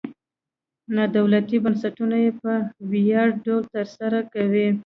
نادولتي بنسټونه یې په وړیا ډول تر سره کوي.